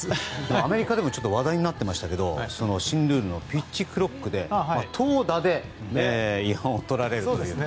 アメリカでも話題になってましたけど新ルールのピッチクロックで投打で違反を取られるという。